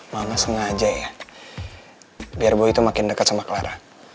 mama sengaja ya biar gue itu makin dekat sama clara